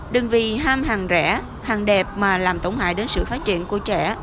đừng vì ham hàng rẻ hàng đẹp mà làm tổn hại đến sự phát triển của trẻ